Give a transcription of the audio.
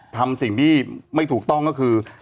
ทำสิ่งที่ไม่ถูกต้องก็คือ